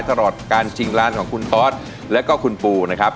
ตลอดการชิงร้านของคุณออสแล้วก็คุณปูนะครับ